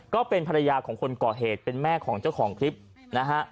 ก็เป็นภรรยาของคนก่อเหตุเป็นแม่ของเจ้าของคลิปนะฮะ